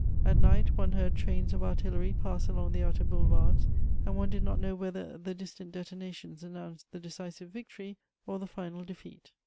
At night, one heard trains of artillery pass along the outer boulevards, and one did not know whether the distant detonations announced the decisive victory or the final defeat.